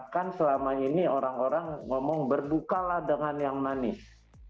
kan selama ini orang orang ngomong berbukalah dengan yang manis